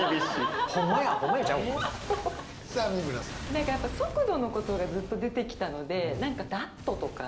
何か速度のことがずっと出てきたので何か「脱兎」とか。